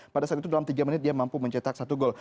pada saat itu dalam tiga menit dia mampu mencetak satu gol